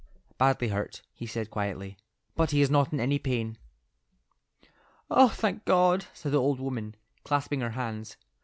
"Badly hurt," he said, quietly, "but he is not in any pain." "Oh, thank God!" said the old woman, clasping her hands.